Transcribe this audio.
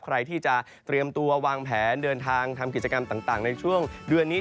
ใครที่จะเตรียมตัววางแผนเดินทางทำกิจกรรมต่างในช่วงเดือนนี้